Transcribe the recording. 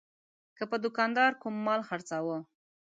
که به دوکاندار کوم مال خرڅاوه.